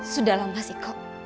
sudah lama sih kok